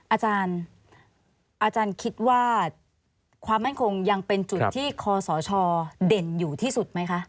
อาจารย์คิดว่าความมั่นคงยังเป็นจุดที่คอสชเด่นอยู่ที่สุดไหมคะ